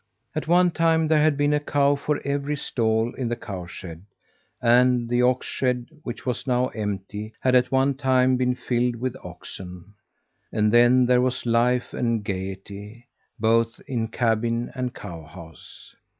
At one time there had been a cow for every stall in the cowshed; and the oxshed, which was now empty, had at one time been filled with oxen. And then there was life and gayety, both in cabin and cowhouse.